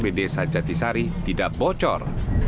di desa jatisari tidak bocor